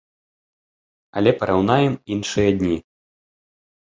Але параўнаем іншыя дні.